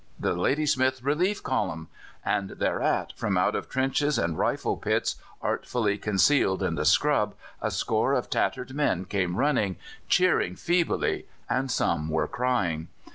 'The Ladysmith Relief Column.' And thereat, from out of trenches and rifle pits artfully concealed in the scrub a score of tattered men came running, cheering feebly, and some were crying.